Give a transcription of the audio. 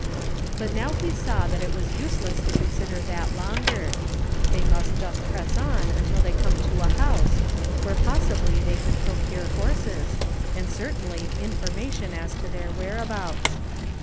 But now he saw that it was useless to consider that longer. They must just press on till they came to a house, where possibly they could procure horses, and certainly information as to their whereabouts.